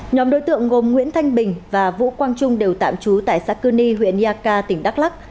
nhóm đối tượng gồm nguyễn thanh bình và vũ quang trung đều tạm trú tại xã cư ni huyện nha ca tỉnh đắk lắk